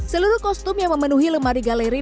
seluruh kostum yang memenuhi lemari galeri